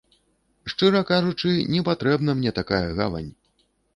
Шчыра кажучы, не патрэбна мне такая гавань.